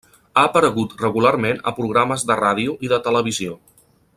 Ha aparegut regularment a programes de ràdio i de televisió.